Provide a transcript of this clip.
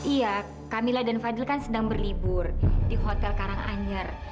iya camilla dan fadil kan sedang berlibur di hotel karanganyar